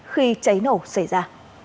khi cháy nổ xảy ra